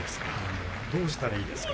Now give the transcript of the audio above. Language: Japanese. どうしたらいいですか。